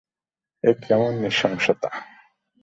এ কেমন নৃশংসতা?